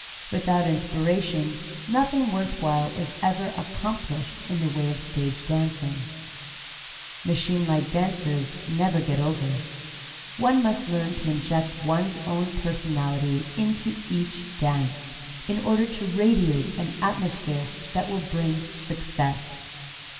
Without inspiration nothing worthwhile is ever accomplished in the way of stage dancing. Machine like dancers never get over. One must learn to inject one's own personality into each dance, in order to radiate an atmosphere that will bring success.